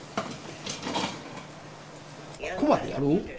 ここまでやる？